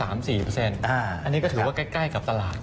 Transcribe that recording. อันนี้ก็ถือว่าใกล้กับตลาด